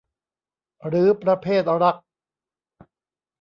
หรือประเภทรัก